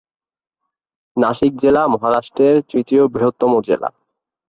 নাশিক জেলা মহারাষ্ট্রের তৃতীয় বৃহত্তম জেলা।